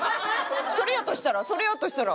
それやとしたらそれやとしたら。